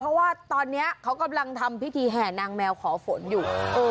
เพราะว่าตอนนี้เขากำลังทำพิธีแห่นางแมวขอฝนอยู่